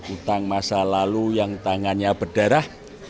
utang masa lalu yang tangannya berdarah